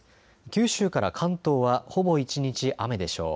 九州から関東はほぼ一日、雨でしょう。